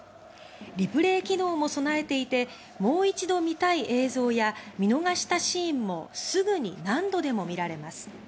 リプレイ機能も備えていてもう一度見たい映像や見逃したシーンもすぐに何度でも見られます。